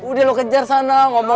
udah lo kejar sama siapa